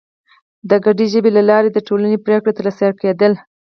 د ګډې ژبې له لارې د ټولنې پرېکړې تر سره کېدلې.